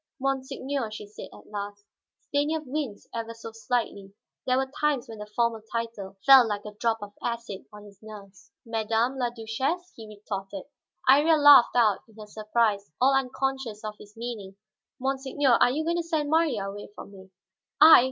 "Monseigneur," she said at last. Stanief winced ever so slightly; there were times when the formal title fell like a drop of acid on his nerves. "Madame la Duchesse?" he retorted. Iría laughed out in her surprise, all unconscious of his meaning. "Monseigneur, are you going to send Marya away from me?" "I!